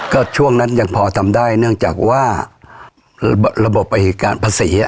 ก็ช่วงนั้นยังพอทำได้เนื่องจากว่าระบบประหิการภาษี